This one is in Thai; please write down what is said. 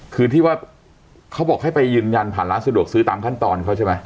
คือที่ว่าเขาบอกให้ไปยืนยันผ่านร้านสะดวกซื้อตามขั้นตอนเขาใช่ไหม